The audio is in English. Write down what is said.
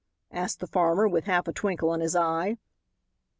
asked the farmer with half a twinkle in his eye.